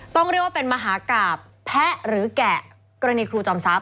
ต้องเรียกว่าเป็นมหากราบแพะหรือแกะกรณีครูจอมทรัพย